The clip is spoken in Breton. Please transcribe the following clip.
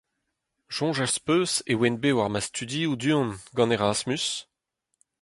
Soñj az peus e oan bet war ma studioù du-hont, gant Erasmus ?